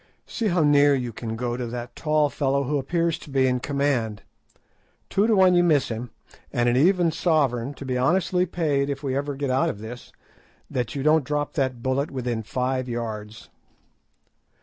"See how near you can go to that tall fellow who appears to be in command. Two to one you miss him, and an even sovereign, to be honestly paid if ever we get out of this, that you don't drop the bullet within five yards."